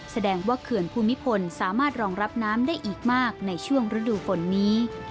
แสดงว่าเขื่อนภูมิพลสามารถรองรับน้ำได้อีกมากในช่วงฤดูฝนนี้